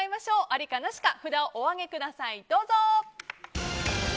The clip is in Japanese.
ありかなしか札をお上げください。